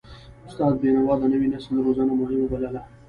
استاد بینوا د نوي نسل روزنه مهمه بلله.